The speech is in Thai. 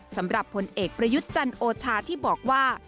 สำหรับผลเอกประยุทธ์จันโอชาที่บอกว่า